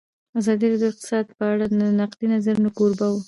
ازادي راډیو د اقتصاد په اړه د نقدي نظرونو کوربه وه.